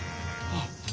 あっ！